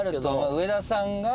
上田さんが。